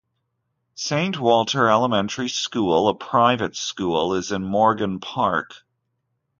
Saint Walter Elementary School, a private school, is in Morgan Park.